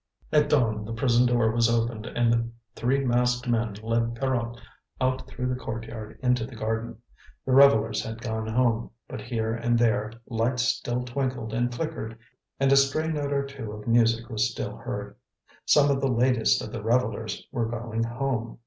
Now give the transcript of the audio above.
At dawn the prison door was opened and three masked men led Pierrot out through the courtyard into the garden. The revellers had gone home, but here and there lights still twinkled and flickered and a stray note or two of music was still heard. Some of the latest of the revellers were going home.